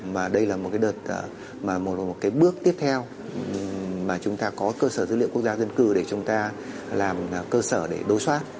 và đây là một cái đợt mà một cái bước tiếp theo mà chúng ta có cơ sở dữ liệu quốc gia dân cư để chúng ta làm cơ sở để đối soát